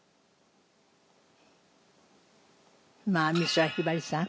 まあ美空ひばりさん。